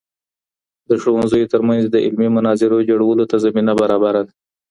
د ښوونځیو ترمنځ د علمي مناظرو جوړولو ته زمینه برابره ده؟